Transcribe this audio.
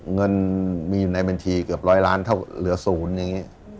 เงินมีอยู่ในบัญชีเกือบร้อยล้านเท่าเหลือ๐อย่างนี้